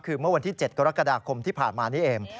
คือเมื่อวันที่๗กรกฎาคมที่ผ่านมานี้เอง